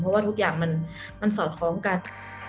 เพราะว่าทุกอย่างมันสอดคล้องกัน